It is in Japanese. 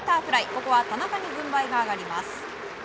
ここは田中に軍配が上がります。